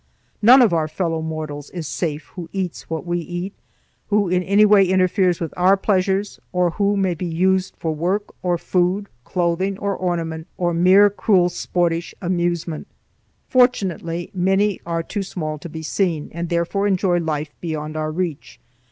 None of our fellow mortals is safe who eats what we eat, who in any way interferes with our pleasures, or who may be used for work or food, clothing or ornament, or mere cruel, sportish amusement. Fortunately many are too small to be seen, and therefore enjoy life beyond our reach.